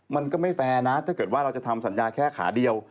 มันก็ไม่แฟร์นะถ้าเกิดว่าเราจะทำสัญญาแค่ขาเดียว